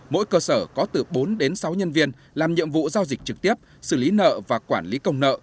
mỗi cơ sở có từ bốn đến sáu nhân viên làm nhiệm vụ giao dịch trực tiếp xử lý nợ và quản lý công nợ